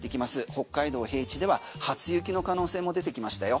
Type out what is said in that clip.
北海道平地では初雪の可能性も出てきましたよ。